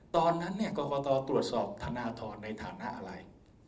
ตอนนั้นกรกตตรวจสอบธนทรในฐานะอะไร